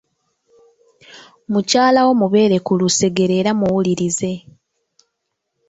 Mukyalawo mubeere ku lusegere era muwulirize.